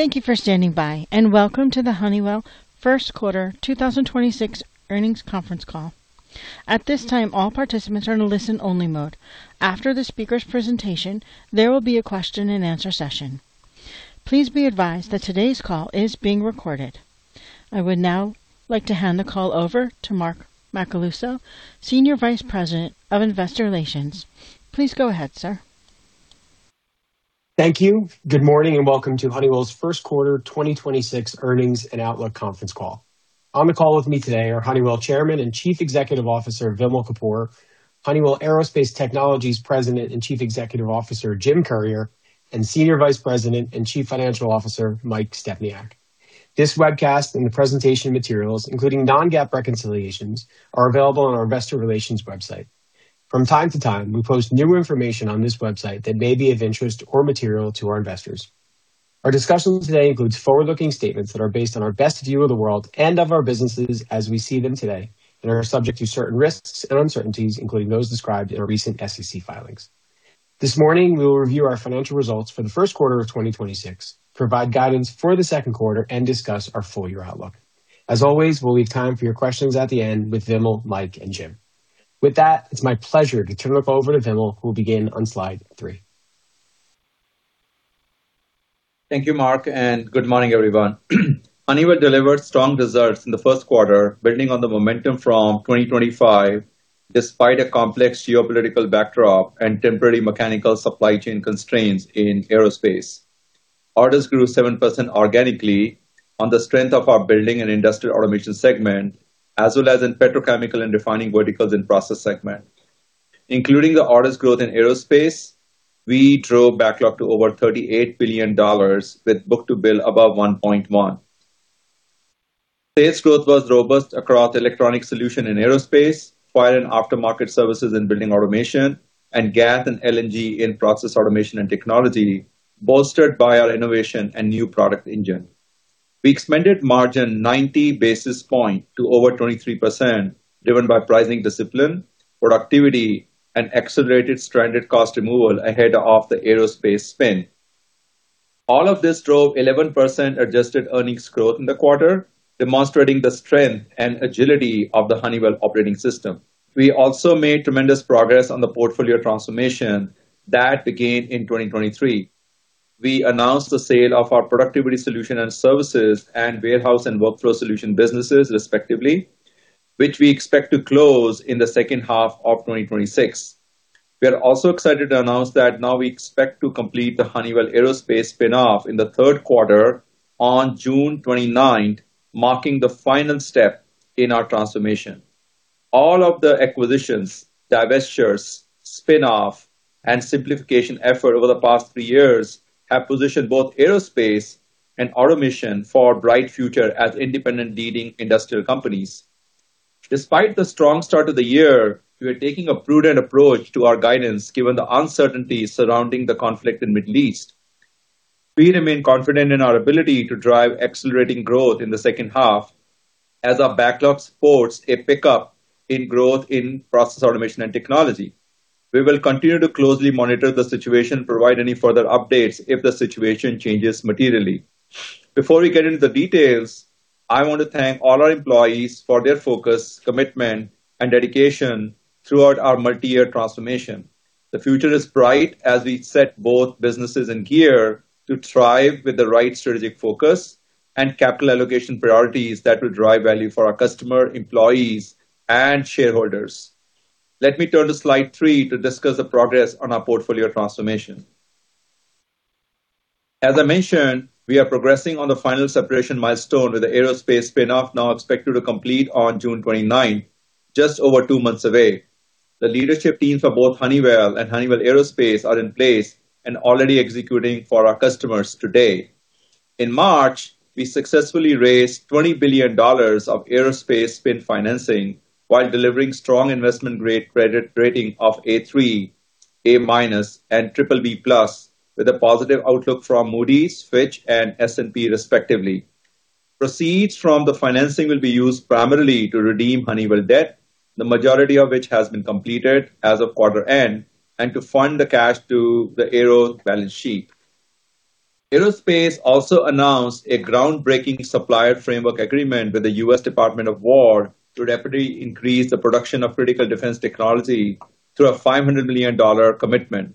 Thank you for standing by, and welcome to the Honeywell Q1 2026 Earnings Conference Call. At this time, all participants are in listen-only mode. After the speaker's presentation, there will be a question and answer session. Please be advised that today's call is being recorded. I would now like to hand the call over to Mark Macaluso, Senior Vice President of Investor Relations. Please go ahead, sir. Thank you. Good morning and welcome to Honeywell's Q1 2026 Earnings and Outlook Conference call. On the call with me today are Honeywell Chairman and Chief Executive Officer, Vimal Kapur, Honeywell Aerospace Technologies President and Chief Executive Officer, Jim Currier, and Senior Vice President and Chief Financial Officer, Mike Stepniak. This webcast and the presentation materials, including non-GAAP reconciliations, are available on our investor relations website. From time to time, we post new information on this website that may be of interest or material to our investors. Our discussion today includes forward-looking statements that are based on our best view of the world and of our businesses as we see them today, and are subject to certain risks and uncertainties, including those described in our recent SEC filings. This morning, we will review our financial results for Q1 of 2026, provide guidance for Q2, and discuss our full year outlook. As always, we'll leave time for your questions at the end with Vimal, Mike, and Jim. With that, it's my pleasure to turn it over to Vimal, who will begin on slide three. Thank you, Mark, and good morning, everyone. Honeywell delivered strong results in Q1, building on the momentum from 2025, despite a complex geopolitical backdrop and temporary mechanical supply chain constraints in Aerospace. Orders grew 7% organically on the strength of our Building and Industrial Automation segment, as well as in petrochemical and refining verticals in Process segment. Including the orders growth in Aerospace, we drove backlog to over $38 billion with book-to-bill above 1.1. Sales growth was robust across electronics solutions in Aerospace, fire and aftermarket services in Building Automation, and gas and LNG in Process Automation and Technology, bolstered by our innovation and new product engine. We expanded margins by 90 basis points to over 23%, driven by pricing discipline, productivity, and accelerated stranded cost removal ahead of the Aerospace spin. All of this drove 11% adjusted earnings growth in the quarter, demonstrating the strength and agility of the Honeywell operating system. We also made tremendous progress on the portfolio transformation that began in 2023. We announced the sale of our Productivity Solutions and Services and Warehouse and Workflow Solutions businesses respectively, which we expect to close in H2 of 2026. We are also excited to announce that now we expect to complete the Honeywell Aerospace spin-off in Q3 on June 29, marking the final step in our transformation. All of the acquisitions, divestitures, spin-off, and simplification effort over the past three years have positioned both aerospace and automation for a bright future as independent leading industrial companies. Despite the strong start of the year, we are taking a prudent approach to our guidance, given the uncertainty surrounding the conflict in the Middle East. We remain confident in our ability to drive accelerating growth in H2 as our backlog supports a pickup in growth in Process Automation and Technology. We will continue to closely monitor the situation and provide any further updates if the situation changes materially. Before we get into the details, I want to thank all our employees for their focus, commitment, and dedication throughout our multi-year transformation. The future is bright as we set both businesses in gear to thrive with the right strategic focus and capital allocation priorities that will drive value for our customer, employees, and shareholders. Let me turn to slide three to discuss the progress on our portfolio transformation. As I mentioned, we are progressing on the final separation milestone with the Aerospace spin-off now expected to complete on June 29, just over two months away. The leadership teams for both Honeywell and Honeywell Aerospace are in place and already executing for our customers today. In March, we successfully raised $20 billion of aerospace spin financing while delivering strong investment grade credit rating of A3, A-, and BBB+ with a positive outlook from Moody's, Fitch, and S&P respectively. Proceeds from the financing will be used primarily to redeem Honeywell debt, the majority of which has been completed as of quarter end, and to fund the cash to the Aero balance sheet. Aerospace also announced a groundbreaking supplier framework agreement with the U.S. Department of Defense to rapidly increase the production of critical defense technology through a $500 million commitment.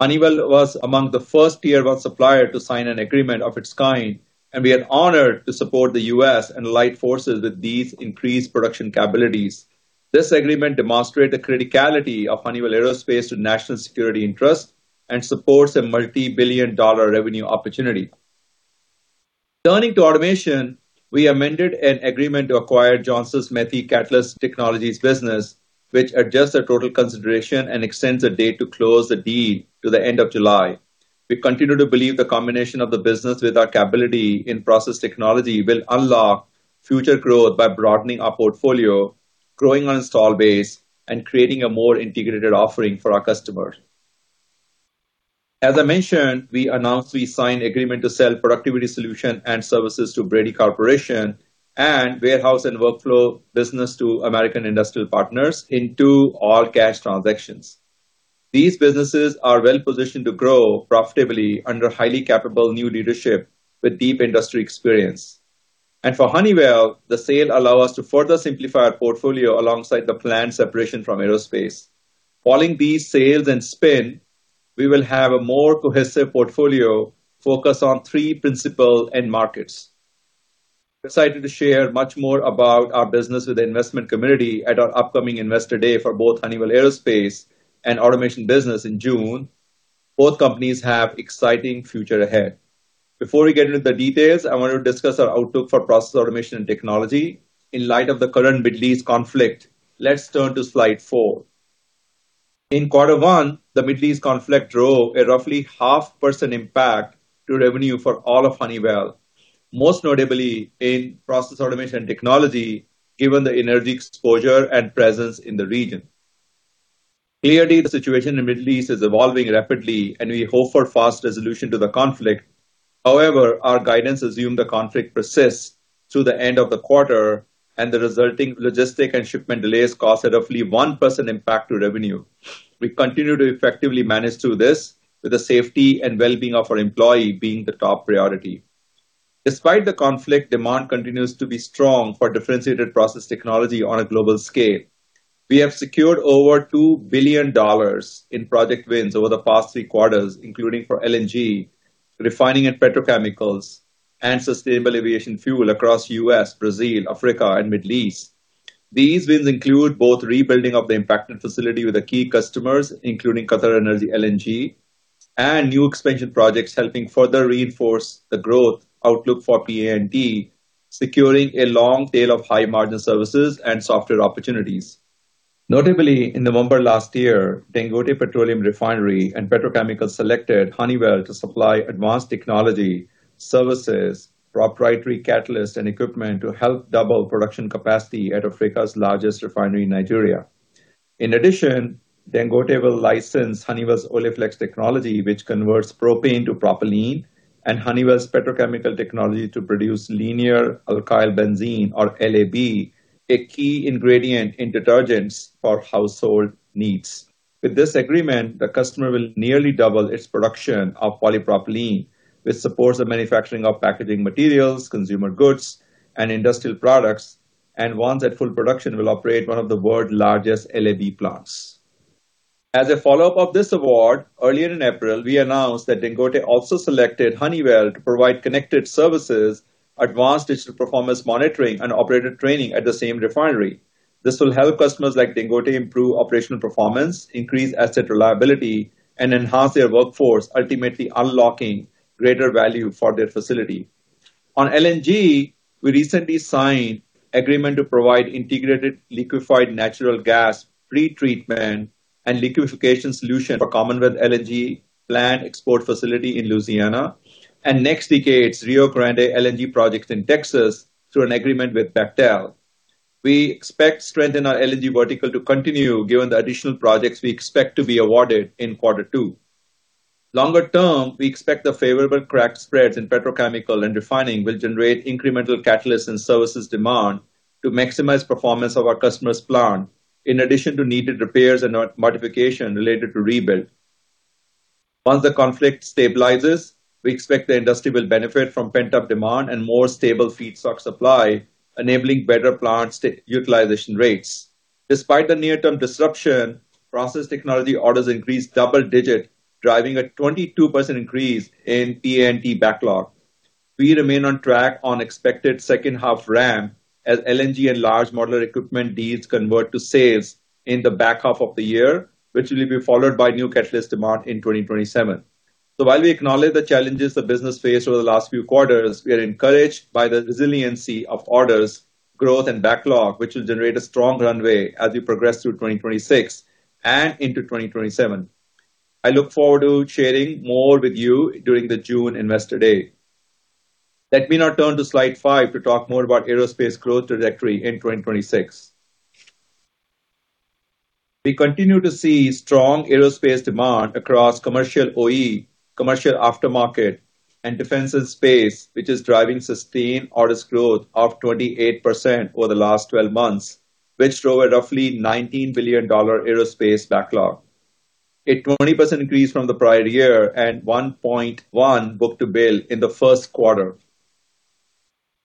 Honeywell was among the first tier one supplier to sign an agreement of its kind, and we are honored to support the U.S. and allied forces with these increased production capabilities. This agreement demonstrate the criticality of Honeywell Aerospace to national security interests and supports a multi-billion-dollar revenue opportunity. Turning to automation, we amended an agreement to acquire Johnson Matthey Catalyst Technologies business, which adjusts the total consideration and extends the date to close the deal to the end of July. We continue to believe the combination of the business with our capability in process technology will unlock future growth by broadening our portfolio, growing our install base, and creating a more integrated offering for our customers. As I mentioned, we announced we signed agreement to sell Productivity Solutions and Services to Brady Corporation and Warehouse and Workflow business to American Industrial Partners in two all-cash transactions. These businesses are well-positioned to grow profitably under highly capable new leadership with deep industry experience. For Honeywell, the sale allow us to further simplify our portfolio alongside the planned separation from Aerospace. Following these sales and spin, we will have a more cohesive portfolio focused on three principal end markets. Excited to share much more about our business with the investment community at our upcoming Investor Day for both Honeywell Aerospace and Automation business in June. Both companies have exciting future ahead. Before we get into the details, I want to discuss our outlook for Process Automation and Technology in light of the current Middle East conflict. Let's turn to slide four. In Q1, the Middle East conflict drove a roughly 0.5% impact to revenue for all of Honeywell, most notably in Process Automation and Technology, given the energy exposure and presence in the region. Clearly, the situation in the Middle East is evolving rapidly, and we hope for fast resolution to the conflict. However, our guidance assumes the conflict persists through the end of the quarter, and the resulting logistics and shipment delays cost roughly 1% impact to revenue. We continue to effectively manage through this with the safety and well-being of our employees being the top priority. Despite the conflict, demand continues to be strong for differentiated process technology on a global scale. We have secured over $2 billion in project wins over the past three quarters, including for LNG, refining and petrochemicals, and sustainable aviation fuel across U.S., Brazil, Africa and Middle East. These will include both rebuilding of the impacted facility with the key customers, including QatarEnergy LNG, and new expansion projects helping further reinforce the growth outlook for PA&T, securing a long tail of high-margin services and software opportunities. Notably, in November last year, Dangote Petroleum Refinery and Petrochemicals selected Honeywell to supply advanced technology, services, proprietary catalyst and equipment to help double production capacity at Africa's largest refinery in Nigeria. In addition, Dangote will license Honeywell's Oleflex technology, which converts propane to propylene, and Honeywell's petrochemical technology to produce linear alkyl benzene, or LAB, a key ingredient in detergents for household needs. With this agreement, the customer will nearly double its production of polypropylene, which supports the manufacturing of packaging materials, consumer goods and industrial products, and once at full production will operate one of the world's largest LAB plants. As a follow-up of this award, earlier in April, we announced that Dangote also selected Honeywell to provide connected services, advanced digital performance monitoring and operator training at the same refinery. This will help customers like Dangote improve operational performance, increase asset reliability, and enhance their workforce, ultimately unlocking greater value for their facility. On LNG, we recently signed agreement to provide integrated liquefied natural gas pre-treatment and liquefaction solution for Commonwealth LNG plant export facility in Louisiana and NextDecade's Rio Grande LNG project in Texas through an agreement with Bechtel. We expect strength in our LNG vertical to continue given the additional projects we expect to be awarded in Q2. Longer term, we expect the favorable crack spreads in petrochemical and refining will generate incremental catalyst and services demand to maximize performance of our customer's plant, in addition to needed repairs and modification related to rebuild. Once the conflict stabilizes, we expect the industry will benefit from pent-up demand and more stable feedstock supply, enabling better plant utilization rates. Despite the near-term disruption, process technology orders increased double-digit, driving a 22% increase in PA&T backlog. We remain on track on expected H2 ramp as LNG and large modular equipment deals convert to sales in the back half of the year, which will be followed by new catalyst demand in 2027. While we acknowledge the challenges the business faced over the last few quarters, we are encouraged by the resiliency of orders, growth and backlog, which will generate a strong runway as we progress through 2026 and into 2027. I look forward to sharing more with you during the June Investor Day. Let me now turn to slide five to talk more about Aerospace growth trajectory in 2026. We continue to see strong aerospace demand across commercial OE, commercial aftermarket, and defense and space, which is driving sustained orders growth of 28% over the last 12 months, which drove a roughly $19 billion aerospace backlog, a 20% increase from the prior year and 1.1 book-to-bill in Q1.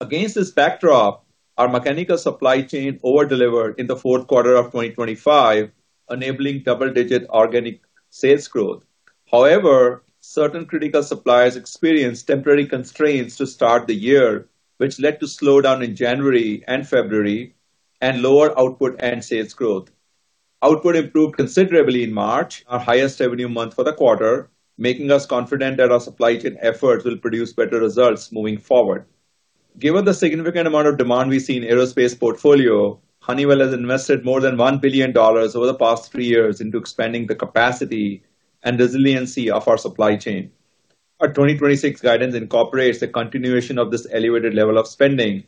Against this backdrop, our mechanical supply chain over-delivered in the Q4 of 2025, enabling double-digit organic sales growth. However, certain critical suppliers experienced temporary constraints to start the year, which led to slowdown in January and February and lower output and sales growth. Output improved considerably in March, our highest revenue month for the quarter, making us confident that our supply chain efforts will produce better results moving forward. Given the significant amount of demand we see in aerospace portfolio, Honeywell has invested more than $1 billion over the past three years into expanding the capacity and resiliency of our supply chain. Our 2026 guidance incorporates the continuation of this elevated level of spending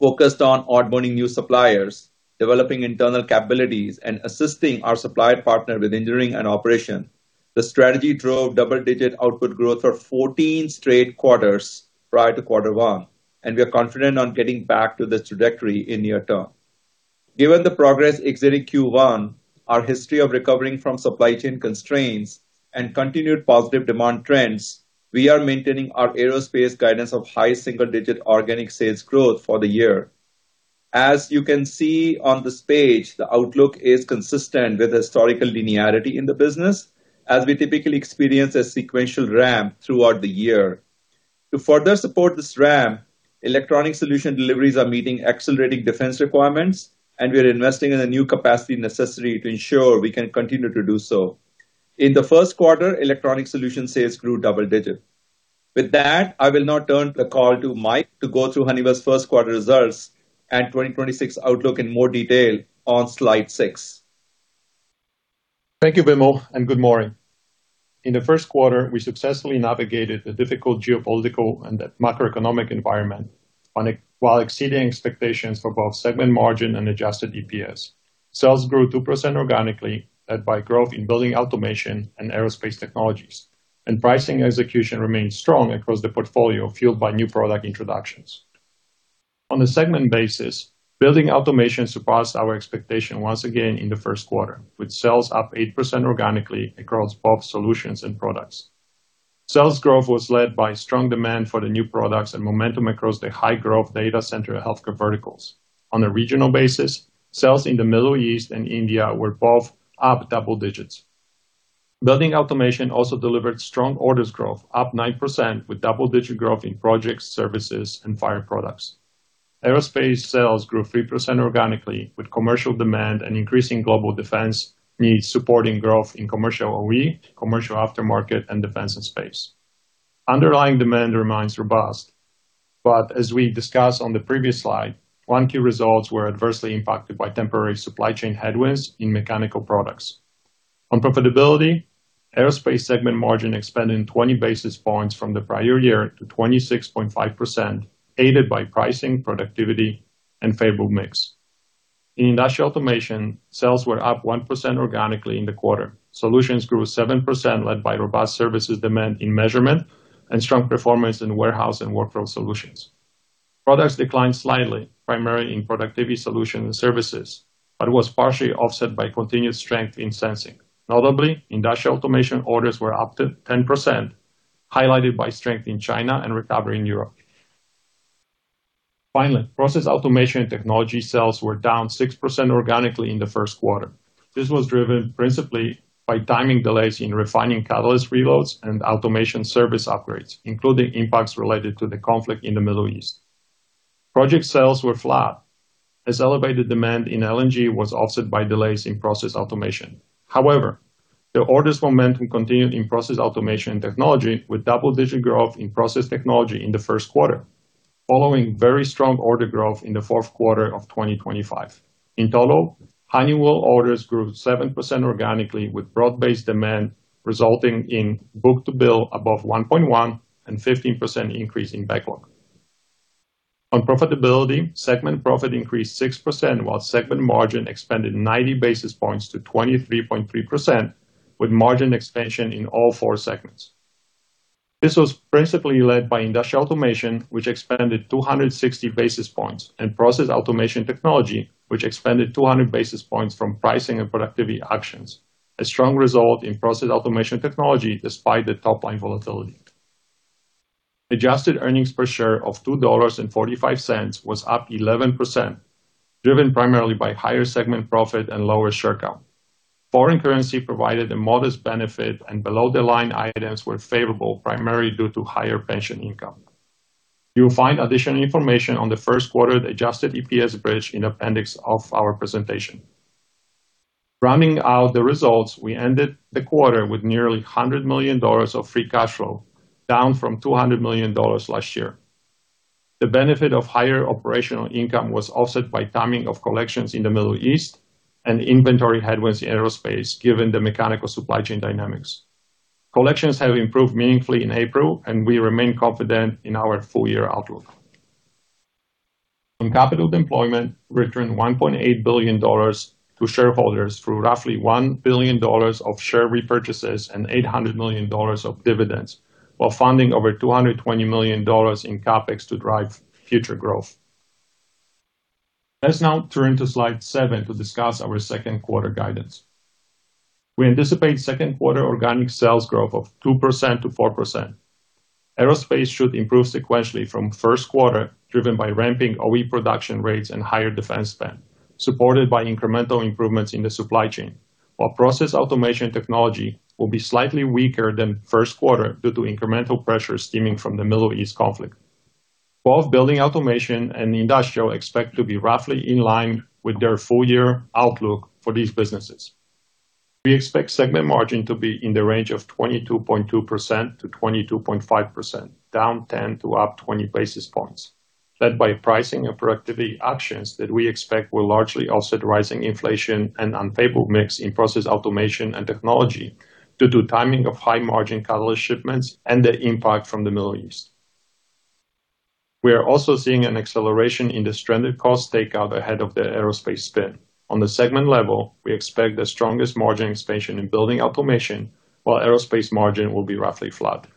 focused on onboarding new suppliers, developing internal capabilities, and assisting our supply partner with engineering and operation. The strategy drove double-digit output growth for 14 straight quarters prior to Q1, and we are confident on getting back to this trajectory in near term. Given the progress exiting Q1, our history of recovering from supply chain constraints, and continued positive demand trends, we are maintaining our aerospace guidance of high single-digit organic sales growth for the year. As you can see on this page, the outlook is consistent with historical linearity in the business, as we typically experience a sequential ramp throughout the year. To further support this ramp, electronic solution deliveries are meeting accelerating defense requirements, and we are investing in the new capacity necessary to ensure we can continue to do so. In Q1, electronic solution sales grew double digits. With that, I will now turn the call to Mike to go through Honeywell's Q1 results and 2026 outlook in more detail on slide six. Thank you, Vimal, and good morning. In Q1, we successfully navigated the difficult geopolitical and macroeconomic environment while exceeding expectations for both segment margin and adjusted EPS. Sales grew 2% organically, led by growth in Building Automation and Aerospace Technologies. Pricing execution remained strong across the portfolio, fueled by new product introductions. On a segment basis, Building Automation surpassed our expectation once again in Q1, with sales up 8% organically across both solutions and products. Sales growth was led by strong demand for the new products and momentum across the high-growth data center healthcare verticals. On a regional basis, sales in the Middle East and India were both up double digits. Building Automation also delivered strong orders growth, up 9% with double-digit growth in projects, services, and fire products. Aerospace sales grew 3% organically with commercial demand and increasing global defense needs supporting growth in commercial OE, commercial aftermarket, and defense and space. Underlying demand remains robust. As we discussed on the previous slide, Q1 results were adversely impacted by temporary supply chain headwinds in mechanical products. On profitability, aerospace segment margin expanded 20 basis points from the prior year to 26.5%, aided by pricing, productivity, and favorable mix. In industrial automation, sales were up 1% organically in the quarter. Solutions grew 7%, led by robust services demand in measurement and strong performance in warehouse and workflow solutions. Products declined slightly, primarily in Productivity Solutions and Services, but was partially offset by continued strength in sensing. Notably, industrial automation orders were up to 10%, highlighted by strength in China and recovery in Europe. Finally, Process Automation and Technology sales were down 6% organically in Q1. This was driven principally by timing delays in refining catalyst reloads and automation service upgrades, including impacts related to the conflict in the Middle East. Project sales were flat as elevated demand in LNG was offset by delays in process automation. However, the orders momentum continued in process automation technology with double-digit growth in process technology in Q1, following very strong order growth in the Q4 of 2025. In total, Honeywell orders grew 7% organically, with broad-based demand resulting in book-to-bill above 1.1 and 15% increase in backlog. On profitability, segment profit increased 6%, while segment margin expanded 90 basis points to 23.3%, with margin expansion in all four segments. This was principally led by industrial automation, which expanded 260 basis points, and process automation technology, which expanded 200 basis points from pricing and productivity actions, a strong result in process automation technology despite the top-line volatility. Adjusted earnings per share of $2.45 was up 11%, driven primarily by higher segment profit and lower share count. Foreign currency provided a modest benefit, and below the line items were favorable primarily due to higher pension income. You'll find additional information on Q1 adjusted EPS bridge in appendix of our presentation. Rounding out the results, we ended the quarter with nearly $100 million of free cash flow, down from $200 million last year. The benefit of higher operational income was offset by timing of collections in the Middle East and inventory headwinds in aerospace, given the mechanical supply chain dynamics. Collections have improved meaningfully in April, and we remain confident in our full-year outlook. On capital deployment, we returned $1.8 billion to shareholders through roughly $1 billion of share repurchases and $800 million of dividends while funding over $220 million in CapEx to drive future growth. Let's now turn to slide seven to discuss our Q2 guidance. We anticipate Q2 organic sales growth of 2%-4%. Aerospace should improve sequentially from Q1, driven by ramping OE production rates and higher defense spend, supported by incremental improvements in the supply chain, while Process Automation Technology will be slightly weaker than Q1 due to incremental pressure stemming from the Middle East conflict. Both Building Automation and Industrial expect to be roughly in line with their full-year outlook for these businesses. We expect segment margin to be in the range of 22.2%-22.5%, down 10 to up 20 basis points, led by pricing and productivity actions that we expect will largely offset rising inflation and unfavorable mix in Process Automation and Technology due to timing of high-margin catalyst shipments and the impact from the Middle East. We are also seeing an acceleration in the stranded cost takeout ahead of the Aerospace spin. On the segment level, we expect the strongest margin expansion in Building Automation, while Aerospace margin will be roughly flat.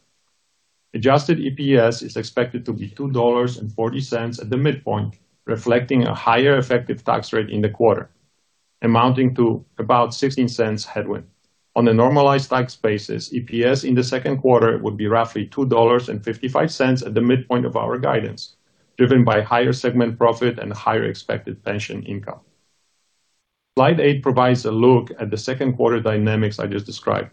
Adjusted EPS is expected to be $2.40 at the midpoint, reflecting a higher effective tax rate in the quarter, amounting to about $0.16 headwind. On a normalized tax basis, EPS in Q2 would be roughly $2.55 at the midpoint of our guidance, driven by higher segment profit and higher expected pension income. Slide eight provides a look at Q2 dynamics I just described.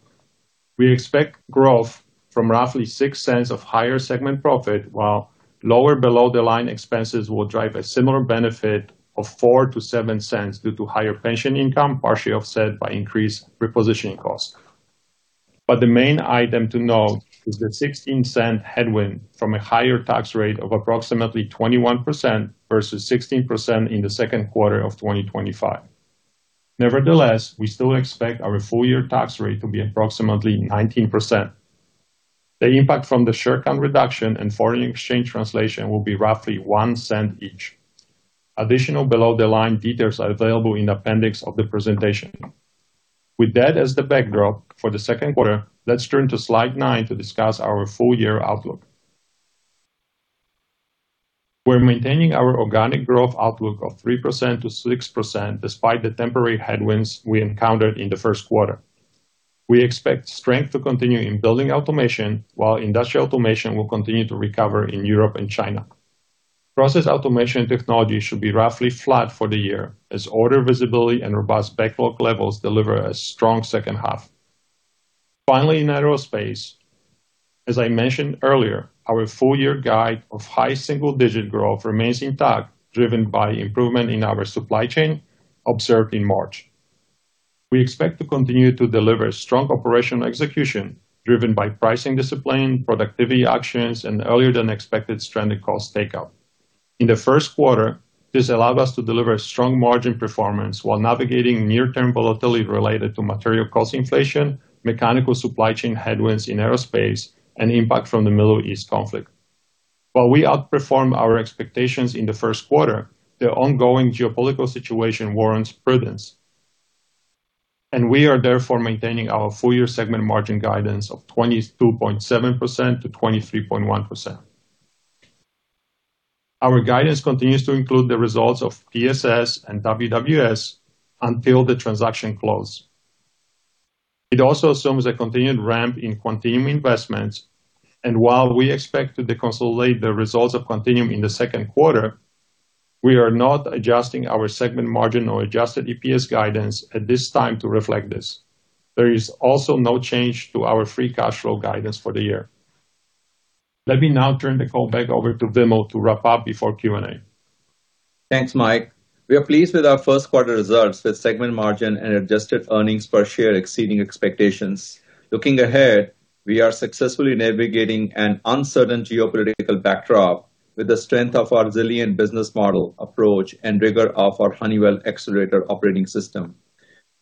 We expect growth from roughly $0.06 of higher segment profit, while lower below-the-line expenses will drive a similar benefit of $0.04-$0.07 due to higher pension income, partially offset by increased repositioning costs. The main item to note is the $0.16 headwind from a higher tax rate of approximately 21% versus 16% in Q2 of 2025. Nevertheless, we still expect our full-year tax rate to be approximately 19%. The impact from the share count reduction and foreign exchange translation will be roughly $0.01 each. Additional below-the-line details are available in the appendix of the presentation. With that as the backdrop for Q2, let's turn to slide nine to discuss our full-year outlook. We're maintaining our organic growth outlook of 3%-6% despite the temporary headwinds we encountered in Q1. We expect strength to continue in building automation, while industrial automation will continue to recover in Europe and China. Process automation technology should be roughly flat for the year as order visibility and robust backlog levels deliver a strong H2. Finally, in aerospace, as I mentioned earlier, our full-year guide of high single-digit growth remains intact, driven by improvement in our supply chain observed in March. We expect to continue to deliver strong operational execution driven by pricing discipline, productivity actions, and earlier than expected stranded cost take up. In Q1, this allowed us to deliver strong margin performance while navigating near-term volatility related to material cost inflation, mechanical supply chain headwinds in aerospace, and impact from the Middle East conflict. While we outperformed our expectations in Q1, the ongoing geopolitical situation warrants prudence, and we are therefore maintaining our full-year segment margin guidance of 22.7%-23.1%. Our guidance continues to include the results of PSS and WWS until the transaction close. It also assumes a continued ramp in Quantinuum investments, and while we expect to consolidate the results of Quantinuum in Q2, we are not adjusting our segment margin or adjusted EPS guidance at this time to reflect this. There is also no change to our free cash flow guidance for the year. Let me now turn the call back over to Vimal to wrap up before Q&A. Thanks, Mike. We are pleased with our Q1 results with segment margin and adjusted earnings per share exceeding expectations. Looking ahead, we are successfully navigating an uncertain geopolitical backdrop with the strength of our resilient business model approach and rigor of our Honeywell Accelerator operating system.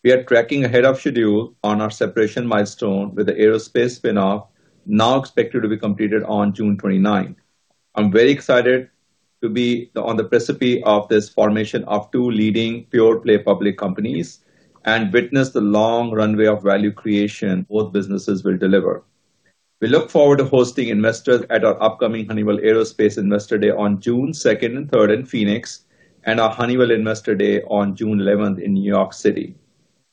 We are tracking ahead of schedule on our separation milestone with the aerospace spin-off now expected to be completed on June 29. I'm very excited to be on the precipice of this formation of two leading pure-play public companies and witness the long runway of value creation both businesses will deliver. We look forward to hosting investors at our upcoming Honeywell Aerospace Investor Day on June 2nd and 3rd in Phoenix, and our Honeywell Investor Day on June 11th in New York City.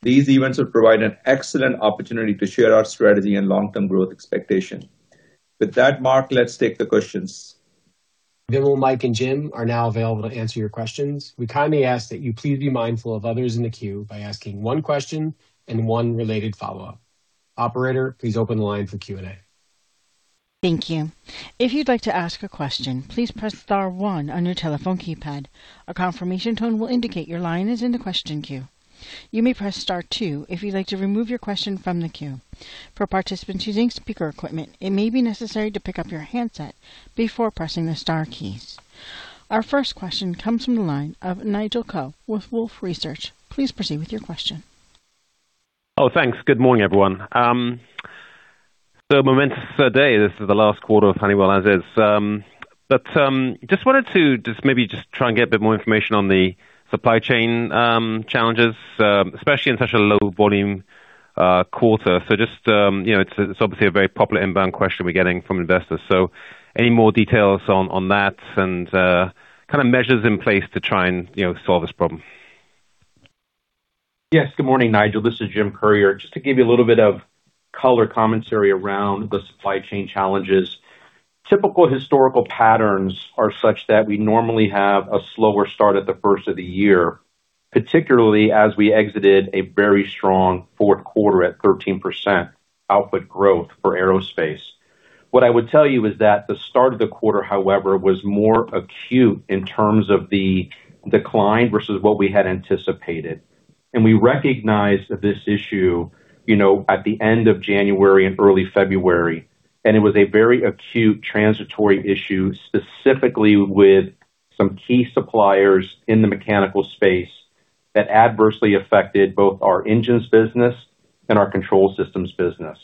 These events will provide an excellent opportunity to share our strategy and long-term growth expectation. With that, Mark, let's take the questions. Vimal, Mike, and Jim are now available to answer your questions. We kindly ask that you please be mindful of others in the queue by asking one question and one related follow-up. Operator, please open the line for Q&A. Thank you. If you'd like to ask a question, please press star one on your telephone keypad. A confirmation tone will indicate your line is in the question queue. You may press star two if you'd like to remove your question from the queue. For participants using speaker equipment, it may be necessary to pick up your handset before pressing the star keys. Our first question comes from the line of Nigel Coe with Wolfe Research. Please proceed with your question. Oh, thanks. Good morning, everyone. Momentous day. This is the last quarter of Honeywell as is. Just wanted to maybe try and get a bit more information on the supply chain challenges, especially in such a low volume quarter. Just, it's obviously a very popular inbound question we're getting from investors. Any more details on that and kind of measures in place to try and solve this problem. Yes. Good morning, Nigel. This is Jim Currier. Just to give you a little bit of color commentary around the supply chain challenges. Typical historical patterns are such that we normally have a slower start at the first of the year, particularly as we exited a very strong Q4 at 13% output growth for aerospace. What I would tell you is that the start of the quarter, however, was more acute in terms of the decline versus what we had anticipated. We recognized this issue at the end of January and early February. It was a very acute transitory issue, specifically with some key suppliers in the mechanical space that adversely affected both our engines business and our control systems business.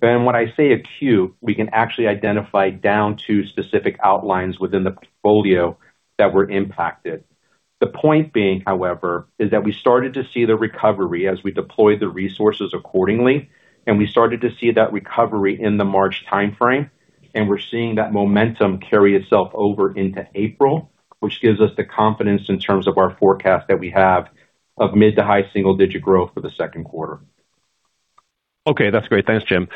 When I say acute, we can actually identify down to specific outlines within the portfolio that were impacted. The point being, however, is that we started to see the recovery as we deployed the resources accordingly, and we started to see that recovery in the March timeframe. We're seeing that momentum carry itself over into April, which gives us the confidence in terms of our forecast that we have of mid- to high single-digit growth for Q2. Okay, that's great. Thanks, Jim.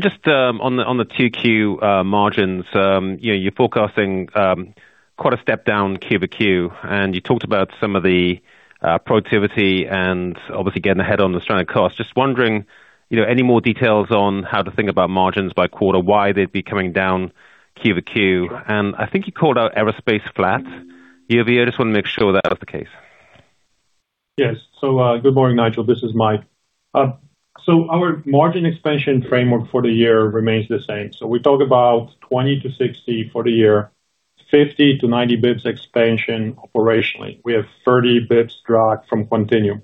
Just on the Q2 margins, you're forecasting quite a step down Q-over-Q. You talked about some of the productivity and obviously getting ahead on the stranded cost. Just wondering, any more details on how to think about margins by quarter, why they'd be coming down Q-over-Q. I think you called out Aerospace flat. I just want to make sure that is the case. Yes. Good morning, Nigel. This is Mike. Our margin expansion framework for the year remains the same. We talk about 20-60 for the year, 50-90 basis points expansion operationally. We have 30 basis points drag from Quantinuum.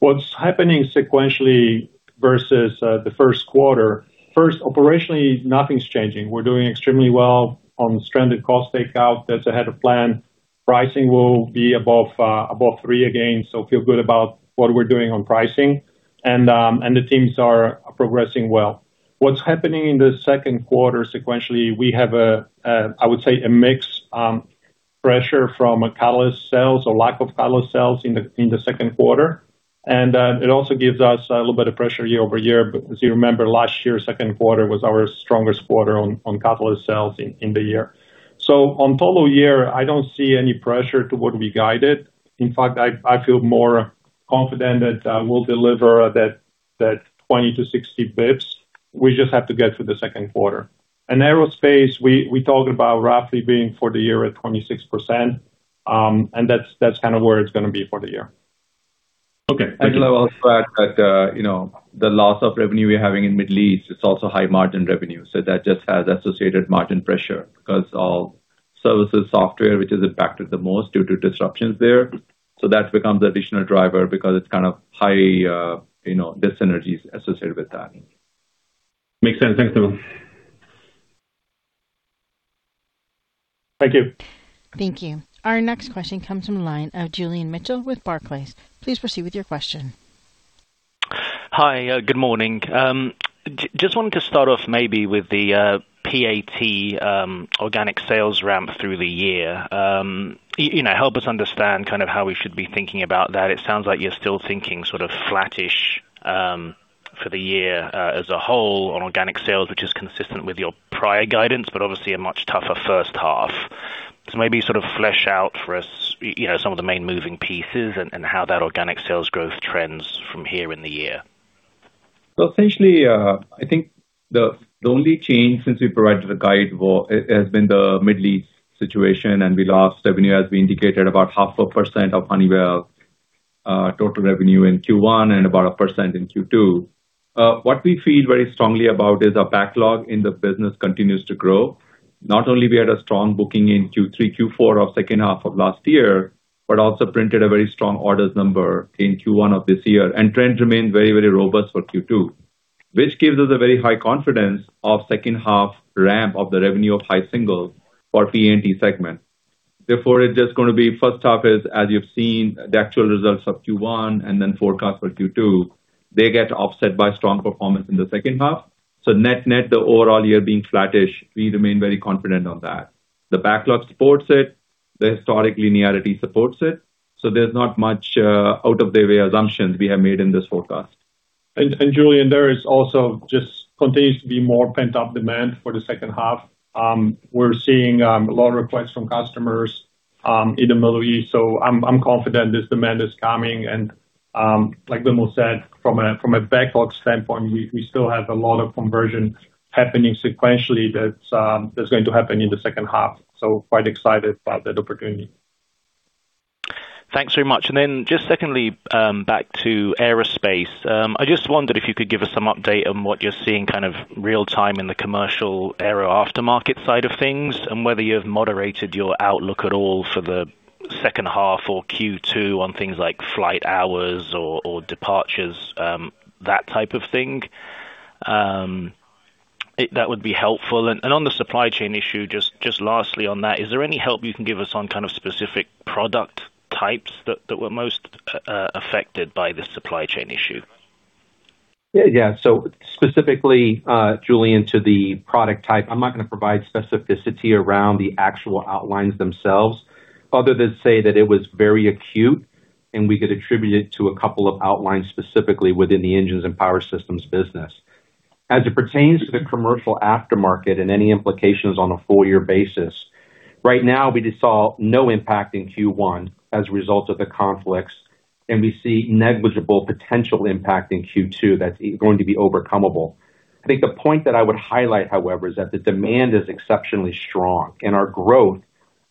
What's happening sequentially versus Q1, operationally, nothing's changing. We're doing extremely well on stranded cost takeout that's ahead of plan. Pricing will be above 3% again, so feel good about what we're doing on pricing. The teams are progressing well. What's happening in Q2 sequentially, we have a, I would say, a mix pressure from catalyst sales or lack of catalyst sales in Q2. It also gives us a little bit of pressure year-over-year, because you remember, last year, Q2 was our strongest quarter on catalyst sales in the year. On total year, I don't see any pressure to what we guided. In fact, I feel more confident that we'll deliver that 20-60 basis points. We just have to get to Q2. In aerospace, we talked about roughly being for the year at 26%, and that's kind of where it's going to be for the year. Okay. Nigel, I'll also add that the loss of revenue we're having in Middle East is also high margin revenue. That just has associated margin pressure because of services and software, which is impacted the most due to disruptions there. That becomes additional driver because it's kind of high dyssynergies associated with that. Makes sense. Thanks, Vimal. Thank you. Thank you. Our next question comes from the line of Julian Mitchell with Barclays. Please proceed with your question. Hi. Good morning. Just wanted to start off maybe with the PAT organic sales ramp through the year. Help us understand kind of how we should be thinking about that? It sounds like you're still thinking sort of flattish for the year as a whole on organic sales, which is consistent with your prior guidance, but obviously a much tougher H1. Maybe sort of flesh out for us some of the main moving pieces and how that organic sales growth trends from here in the year? Well, essentially, I think the only change since we provided the guide has been the Middle East situation, and we lost revenue, as we indicated, about 0.5% of Honeywell's total revenue in Q1 and about 1% in Q2. What we feel very strongly about is our backlog in the business continues to grow. Not only we had a strong booking in Q3, Q4 of H2 of last year, but also printed a very strong orders number in Q1 of this year, and trends remain very, very robust for Q2, which gives us a very high confidence of H2 ramp of the revenue of high singles for PAT segment. Therefore, it's just going to be H1 is, as you've seen, the actual results of Q1 and then forecast for Q2. They get offset by strong performance in the H2. Net-net, the overall year being flattish, we remain very confident on that. The backlog supports it, the historic linearity supports it. There's not much out of the way assumptions we have made in this forecast. Julian, there is also just continues to be more pent-up demand for the H2. We're seeing a lot of requests from customers in the Middle East, so I'm confident this demand is coming. Like Vimal said, from a backlog standpoint, we still have a lot of conversion happening sequentially that's going to happen in the H2. Quite excited about that opportunity. Thanks very much. Just secondly, back to aerospace. I just wondered if you could give us some update on what you're seeing kind of real-time in the commercial aero aftermarket side of things, and whether you've moderated your outlook at all for the H2 or Q2 on things like flight hours or departures, that type of thing. That would be helpful. On the supply chain issue, just lastly on that, is there any help you can give us on kind of specific product types that were most affected by the supply chain issue? Yeah. Specifically, Julian, to the product type, I'm not going to provide specificity around the actual outlines themselves, other than say that it was very acute, and we could attribute it to a couple of outlines specifically within the engines and power systems business. As it pertains to the commercial aftermarket and any implications on a full year basis, right now, we just saw no impact in Q1 as a result of the conflicts, and we see negligible potential impact in Q2 that's going to be overcomeable. I think the point that I would highlight, however, is that the demand is exceptionally strong, and our growth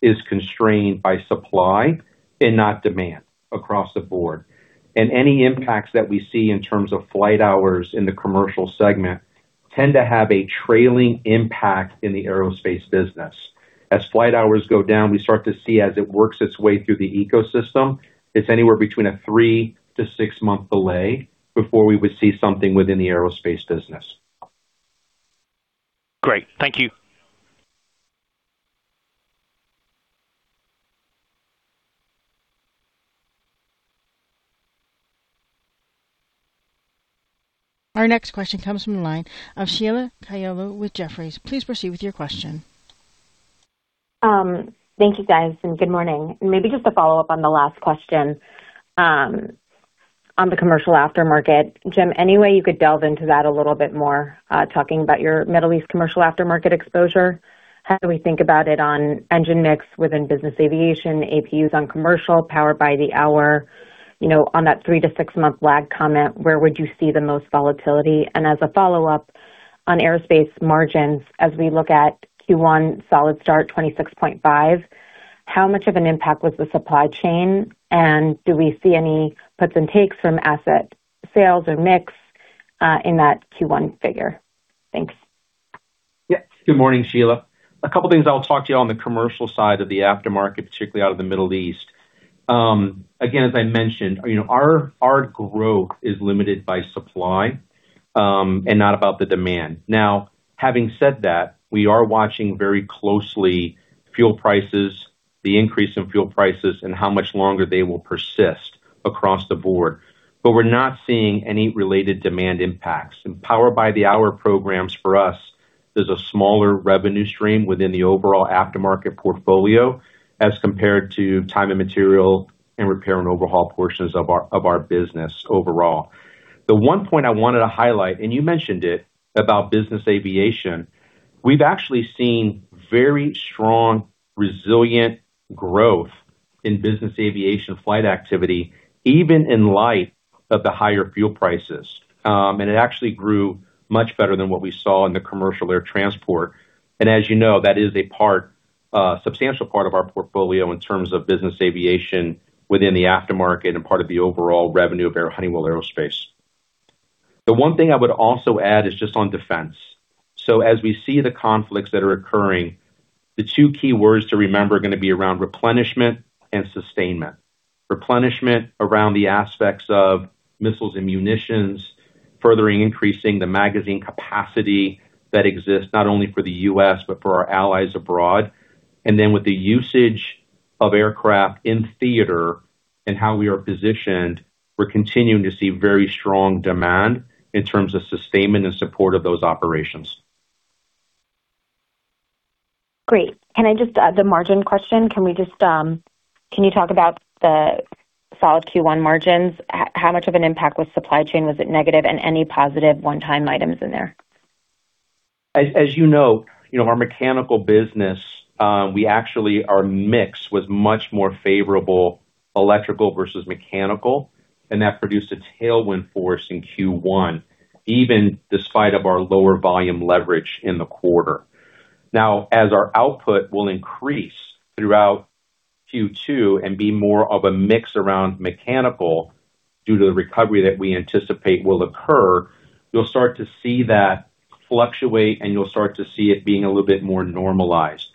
is constrained by supply and not demand across the board. Any impacts that we see in terms of flight hours in the commercial segment tend to have a trailing impact in the aerospace business. As flight hours go down, we start to see as it works its way through the ecosystem, it's anywhere between a three to six-month delay before we would see something within the aerospace business. Great. Thank you. Our next question comes from the line of Sheila Kahyaoglu with Jefferies. Please proceed with your question. Thank you, guys, and good morning. Maybe just to follow up on the last question on the commercial aftermarket. Jim, any way you could delve into that a little bit more, talking about your Middle East commercial aftermarket exposure? How do we think about it on engine mix within business aviation, APUs on commercial power by the hour, on that three to six-month lag comment, where would you see the most volatility? As a follow-up on aerospace margins, as we look at Q1 solid start 26.5%, how much of an impact was the supply chain? Do we see any puts and takes from asset sales or mix, in that Q1 figure? Thanks. Yeah. Good morning, Sheila. A couple things I'll talk to you on the commercial side of the aftermarket, particularly out of the Middle East. Again, as I mentioned, our growth is limited by supply, and not about the demand. Now, having said that, we are watching very closely fuel prices, the increase in fuel prices, and how much longer they will persist across the board. We're not seeing any related demand impacts. In power by the hour programs for us, there's a smaller revenue stream within the overall aftermarket portfolio as compared to time and material and repair and overhaul portions of our business overall. The one point I wanted to highlight, and you mentioned it, about business aviation, we've actually seen very strong, resilient growth in business aviation flight activity, even in light of the higher fuel prices. It actually grew much better than what we saw in the commercial air transport. As you know, that is a substantial part of our portfolio in terms of business aviation within the aftermarket and part of the overall revenue of Honeywell Aerospace. The one thing I would also add is just on defense. As we see the conflicts that are occurring, the two key words to remember are going to be around replenishment and sustainment. Replenishment around the aspects of missiles and munitions, furthering increasing the magazine capacity that exists not only for the U.S., but for our allies abroad. Then with the usage of aircraft in theater and how we are positioned, we're continuing to see very strong demand in terms of sustainment and support of those operations. Great. Can I just add the margin question? Can you talk about the solid Q1 margins? How much of an impact was supply chain? Was it negative? Any positive one-time items in there? As you know, our mechanical business, actually, our mix was much more favorable, electrical versus mechanical, and that produced a tailwind force in Q1, even despite of our lower volume leverage in the quarter. Now, as our output will increase throughout Q2 and be more of a mix around mechanical due to the recovery that we anticipate will occur, you'll start to see that fluctuate, and you'll start to see it being a little bit more normalized.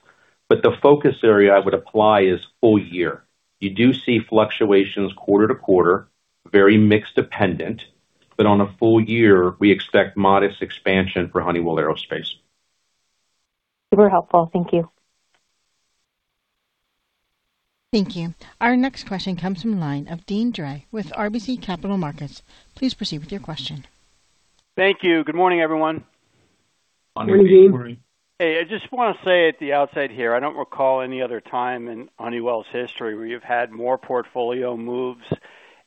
The focus area I would apply is full year. You do see fluctuations quarter to quarter, very mix dependent, but on a full year, we expect modest expansion for Honeywell Aerospace. Super helpful. Thank you. Thank you. Our next question comes from the line of Deane Dray with RBC Capital Markets. Please proceed with your question. Thank you. Good morning, everyone. Morning, Deane. Good morning. Hey, I just want to say at the outset here, I don't recall any other time in Honeywell's history where you've had more portfolio moves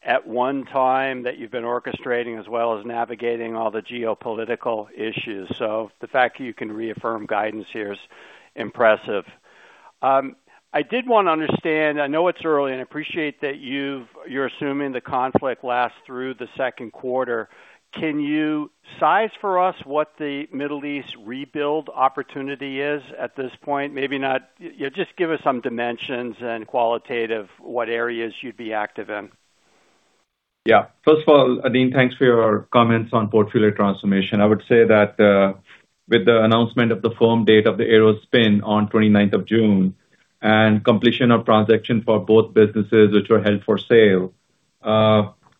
at one time that you've been orchestrating, as well as navigating all the geopolitical issues. The fact that you can reaffirm guidance here is impressive. I did want to understand, I know it's early, and I appreciate that you're assuming the conflict lasts through Q2. Can you size for us what the Middle East rebuild opportunity is at this point? Just give us some dimensions and qualitative, what areas you'd be active in. Yeah. First of all, Deane, thanks for your comments on portfolio transformation. I would say that, with the announcement of the firm date of the Aero spin on 29th of June, and completion of transaction for both businesses which were held for sale,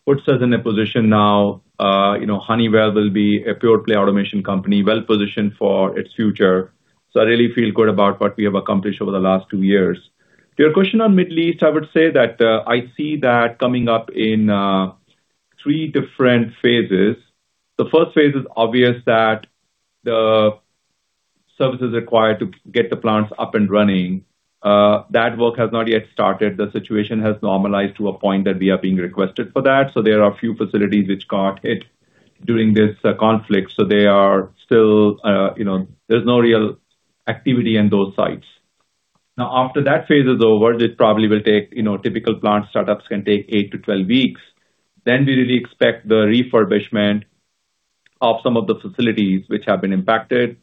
puts us in a position now. Honeywell will be a pure-play automation company, well-positioned for its future. I really feel good about what we have accomplished over the last two years. To your question on Middle East, I would say that I see that coming up in three different phases. The first phase is obvious that the services required to get the plants up and running. That work has not yet started. The situation has normalized to a point that we are being requested for that, so there are a few facilities which got hit during this conflict, so there's no real activity in those sites. Now, after that phase is over, it probably will take. Typical plant startups can take eight to 12 weeks. We really expect the refurbishment of some of the facilities which have been impacted.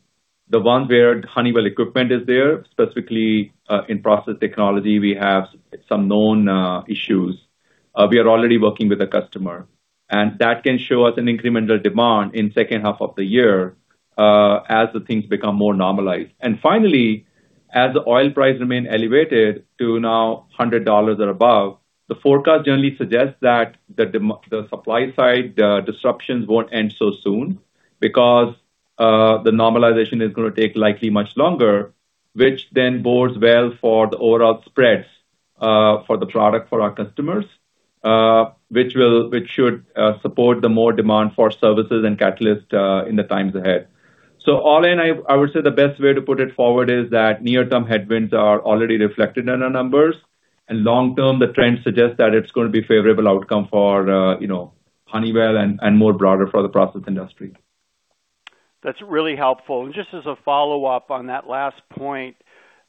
The one where Honeywell equipment is there, specifically, in process technology, we have some known issues. We are already working with a customer, and that can show us an incremental demand in H2 of the year, as the things become more normalized. As the oil price remain elevated to now $100 or above, the forecast generally suggests that the supply side disruptions won't end so soon because the normalization is going to take likely much longer, which then bodes well for the overall spreads for the product for our customers, which should support the more demand for services and catalysts in the times ahead. All in, I would say the best way to put it forward is that near-term headwinds are already reflected in our numbers. Long term, the trend suggests that it's going to be a favorable outcome for Honeywell and more broader for the process industry. That's really helpful. Just as a follow-up on that last point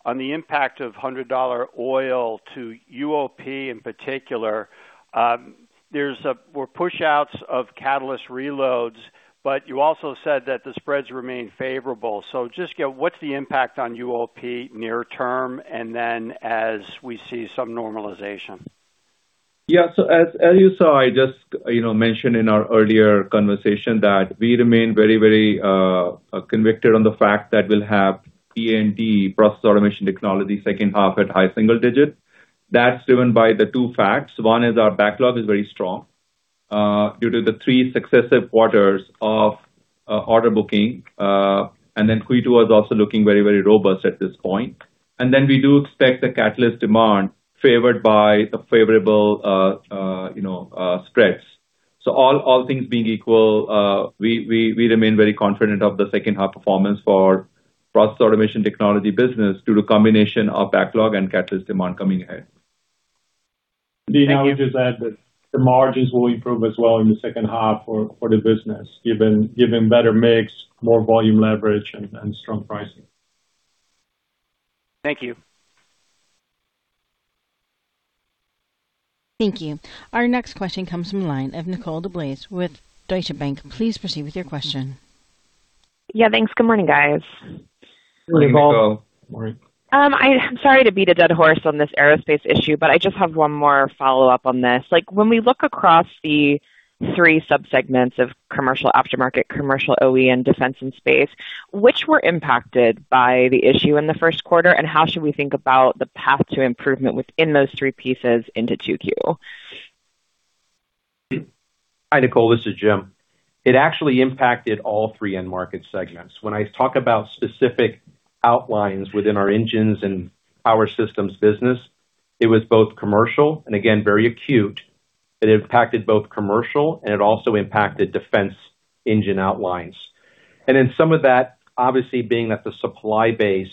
on the impact of $100 oil to UOP in particular, there were push outs of catalyst reloads, but you also said that the spreads remain favorable. Just what's the impact on UOP near term and then as we see some normalization? Yeah. As you saw, I just mentioned in our earlier conversation that we remain very convicted on the fact that we'll have PA&T Process Automation and Technology H2 at high single digits. That's driven by the two facts. One is our backlog is very strong due to the three successive quarters of order booking. Q2 is also looking very robust at this point. We do expect the catalyst demand favored by the favorable spreads. All things being equal, we remain very confident of the H2 performance for Process Automation and Technology business due to combination of backlog and catalyst demand coming ahead. Thank you. Deane, I would just add that the margins will improve as well in the H2 for the business, given better mix, more volume leverage, and strong pricing. Thank you. Thank you. Our next question comes from the line of Nicole DeBlase with Deutsche Bank. Please proceed with your question. Yeah, thanks. Good morning, guys. Good morning, Nicole. Morning. I'm sorry to beat a dead horse on this aerospace issue, but I just have one more follow-up on this. When we look across the three sub-segments of commercial aftermarket, commercial OE, and defense and space, which were impacted by the issue in Q1, and how should we think about the path to improvement within those three pieces into Q2? Hi, Nicole, this is Jim. It actually impacted all three end market segments. When I talk about specific outlines within our engines and power systems business, it was both commercial, and again, very acute. It impacted both commercial, and it also impacted defense engine outlines. Then some of that, obviously being that the supply base